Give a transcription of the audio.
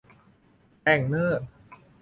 แต้งเน้อ